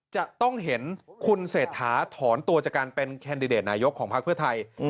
จะต้องเห็นคุณเศรษฐาถอนตัวจากการเป็นแคนดิเดตนายกของพักเพื่อไทย